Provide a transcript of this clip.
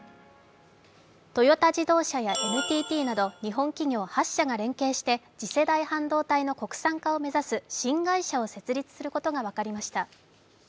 トヨタ自動車やＮＴＴなど日本企業８社が連携して次世代半導体の国産化を目指す新会社を設立することが分かりました。